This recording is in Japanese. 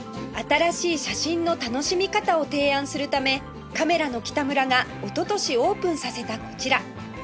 新しい写真の楽しみ方を提案するためカメラのキタムラがおととしオープンさせたこちら